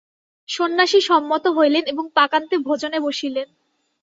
সন্ন্যাসী সম্মত হইলেন এবং পাকান্তে ভোজনে বসিলেন।